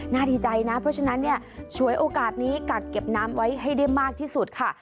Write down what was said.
ดีใจนะเพราะฉะนั้นเนี่ยฉวยโอกาสนี้กักเก็บน้ำไว้ให้ได้มากที่สุดค่ะ